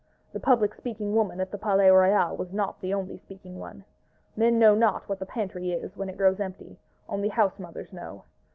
The public speaking woman at the Palais Royal was not the only speaking one:—Men know not what the pantry is, when it grows empty, only house mothers know.